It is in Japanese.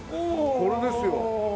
これですよ。